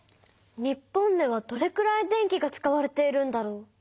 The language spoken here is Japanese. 日本ではどれくらい電気が使われているんだろう？